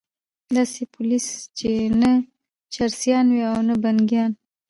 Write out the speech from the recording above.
داسي پولیس چې نه چرسیان وي او نه بنګیان